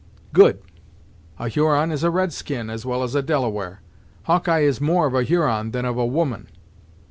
"Good; a Huron is a red skin, as well as a Delaware. Hawkeye is more of a Huron than of a woman."